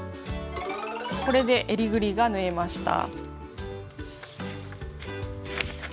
これでえりぐりが縫えました。